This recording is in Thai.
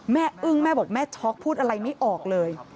อึ้งแม่บอกแม่ช็อกพูดอะไรไม่ออกเลย